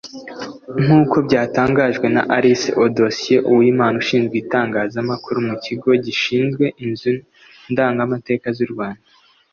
nk’uko byatangajwe na Alice Eudoxie Uwimana ushinzwe itangazamakuru mu Kigo gishinzwe inzu ndangamateka z’u Rwanda